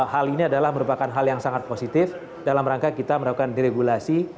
hal ini adalah merupakan hal yang sangat positif dalam rangka kita melakukan diregulasi